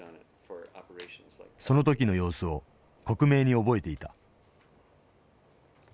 その時の様子を克明に覚えていた。